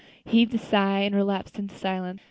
He heaved a sigh, and relapsed into silence.